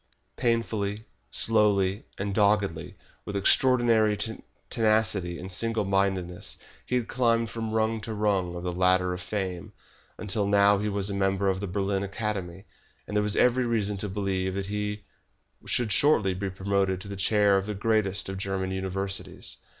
Painfully, slowly, and doggedly, with extraordinary tenacity and single mindedness, he had climbed from rung to rung of the ladder of fame, until now he was a member of the Berlin Academy, and there was every reason to believe that he would shortly be promoted to the Chair of the greatest of German Universities.